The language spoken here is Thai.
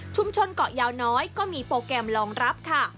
เกาะยาวน้อยก็มีโปรแกรมรองรับค่ะ